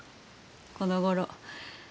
このごろ